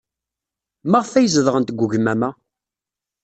Maɣef ay zedɣent deg ugmam-a?